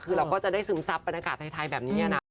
คือเราก็จะได้ซึมซับบรรยากาศไทยแบบนี้นะ